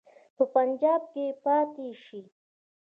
په پنجاب کې پاته شي.